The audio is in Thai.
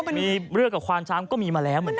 มีเรื่องกับควานช้างก็มีมาแล้วเหมือนกัน